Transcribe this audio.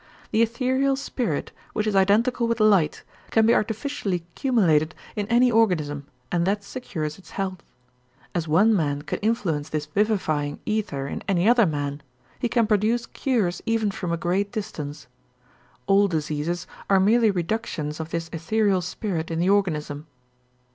The ethereal spirit, which is identical with light, can be artificially cumulated in any organism and that secures its health. As one man can influence this vivifying ether in any other man, he can produce cures even from a great distance. All diseases are merely reductions of this ethereal spirit in the organism.